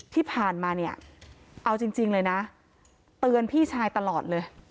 ที่ผ่านมาเนี่ยเอาจริงเลยนะเตือนพี่ชายตลอดเลย